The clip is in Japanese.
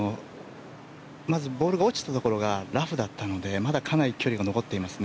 まず、ボールが落ちたところがラフだったのでまだかなり距離が残っています。